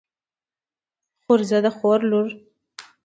خورزه د خور لور.